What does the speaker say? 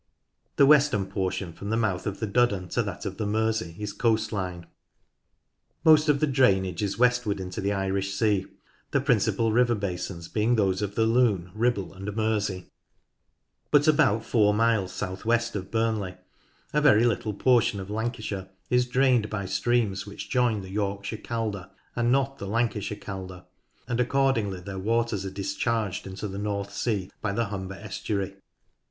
The western portion from the mouth of the Duddon to that of the Mersey is coast line. Most of the drainage is westward into the Irish Sea, the principal river basins being those of the Lune, Ribble, and Mersey, but about four miles south west of Burnley a very little portion of Lancashire is drained by streams which join the Yorkshire Calder and not the Lancashire Calder, and accordingly their waters are discharged into the North Sea by the Humber estuary.